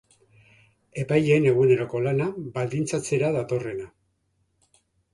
Epaileen eguneroko lana baldintzatzera datorrena.